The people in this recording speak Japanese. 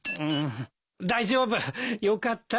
大丈夫よかった。